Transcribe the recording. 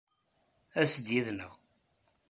As-d yid-neɣ.